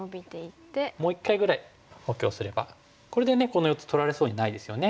もう一回ぐらい補強すればこれでこの４つ取られそうにないですよね。